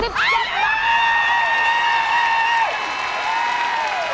๑๗บาท